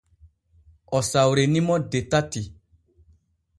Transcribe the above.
O sawrini mo de tati.